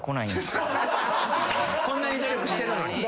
こんなに努力してるのに。